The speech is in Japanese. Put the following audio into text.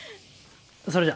それじゃ。